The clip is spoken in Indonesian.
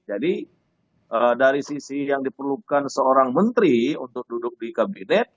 jadi dari sisi yang diperlukan seorang menteri untuk duduk di kabinet